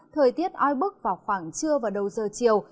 thời tiết oi bức vào khoảng trưa và đầu giờ chiều